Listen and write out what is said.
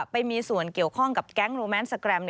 ไปมีส่วนเกี่ยวข้องกับแก๊งโรแมนสแกรม